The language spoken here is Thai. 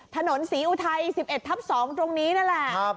ถนนศรีอุทัย๑๑ทับ๒ตรงนี้นั่นแหละ